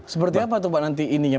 seperti apa tuh pak nanti ini ya